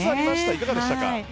いかがでしたか？